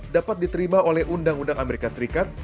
dapat diterima oleh undang undang amerika serikat